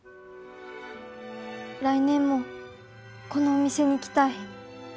来年もこのお店に来たい。